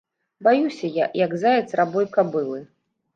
Баюся я, як заяц рабой кабылы.